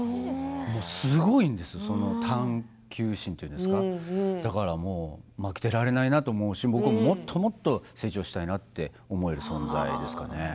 すごいんですその探究心というんですか負けられないんなと思うし僕ももっともっと成長したいなと思える存在ですかね。